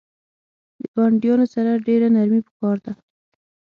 د ګاونډیانو سره ډیره نرمی پکار ده